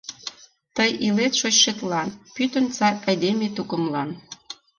Тый илет шочшетлан, пӱтынь сай айдеме тукымлан!